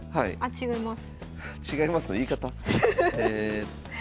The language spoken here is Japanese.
違います。